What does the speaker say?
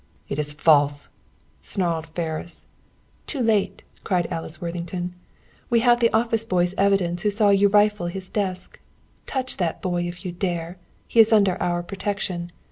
"It is false," snarled Ferris. "Too late," cried Alice Worthington. "We have the office boy's evidence who saw you rifle his desk. Touch that boy if you dare! He is under our protection!